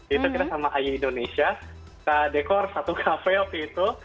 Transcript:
itu kita sama ayu indonesia kita dekor satu kafe waktu itu